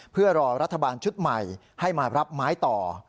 เพื่อรอรัฐบาลชุดใหม่ให้มารับไม้ต่อ